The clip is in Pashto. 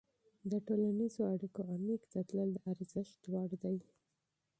د ټولنیزو اړیکو عمیق ته تلل د ارزښت وړ دي.